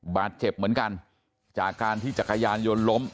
บาดเจ็บเหมือนกันจากการที่จักรยานยนต์ล้ม